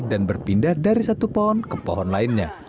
dan berpindah dari satu pohon ke pohon lainnya